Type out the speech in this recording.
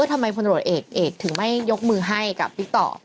เอ๊ะทำไมพตำรวจเอกเอกถึงไม่ยกมือให้กับพิกฏร